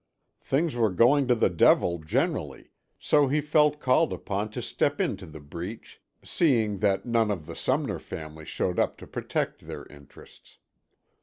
Things were going to the devil generally, so he felt called upon to step into the breach, seeing that none of the Sumner family showed up to protect their interests.